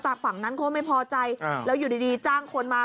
ฝั่งนั้นเขาก็ไม่พอใจแล้วอยู่ดีจ้างคนมา